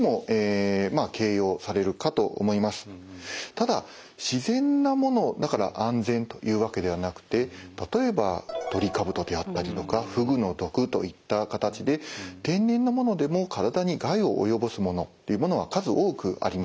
ただ自然なものだから安全というわけではなくて例えばトリカブトであったりとかふぐの毒といった形で天然のものでも体に害をおよぼすものというものは数多くあります。